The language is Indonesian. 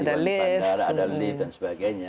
ada lift dan sebagainya